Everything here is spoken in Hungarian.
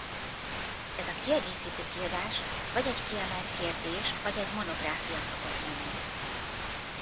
Ez a kiegészítő kiadás vagy egy kiemelt kérdés vagy egy monográfia szokott lenni.